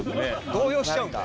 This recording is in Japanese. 動揺しちゃうんで。